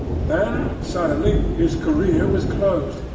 Then suddenly his career was closed.